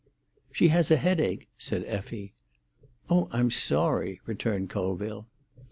"She has a headache," said Effie. "Oh, I'm sorry," returned Colville.